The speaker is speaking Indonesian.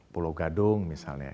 pulau gadung misalnya